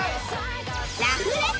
ラフレコ